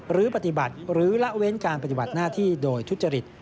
หรือปฏิบัติหรือละเว้นการปฏิบัติหน้าที่โดยทุจริต